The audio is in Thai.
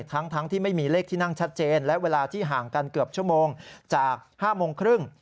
ทั้งที่ไม่มีเลขที่นั่งชัดเจนและเวลาที่ห่างกันเกือบชั่วโมงจาก๕โมงครึ่ง